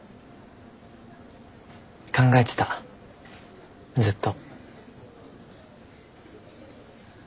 考えてたずっと。